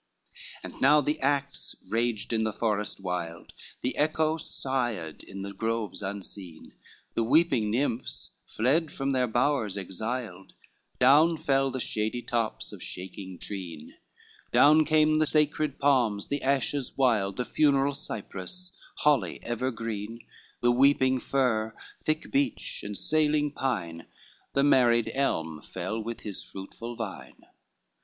LXXV And now the axe raged in the forest wild, The echo sighed in the groves unseen, The weeping nymphs fled from their bowers exiled, Down fell the shady tops of shaking treen, Down came the sacred palms, the ashes wild, The funeral cypress, holly ever green, The weeping fir, thick beech, and sailing pine, The married elm fell with his fruitful vine.